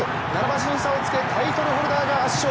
７馬身差をつけタイトルホルダーが圧勝。